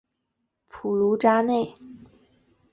普卢扎内。